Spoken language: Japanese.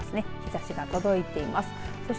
日ざしが届いています。